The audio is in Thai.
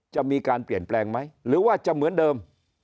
จะมีการเปลี่ยนแปลงไหมหรือว่าจะเหมือนเดิม